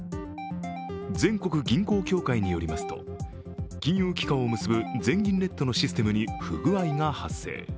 全国銀行協会によりますと金融機関を結ぶ全銀ネットのシステムに不具合が発生。